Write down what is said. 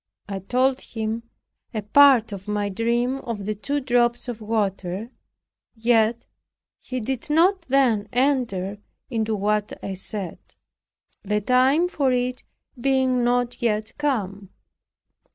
I told him a part of my dream of the two drops of water; yet, he did not then enter into what I said, the time for it being not yet come.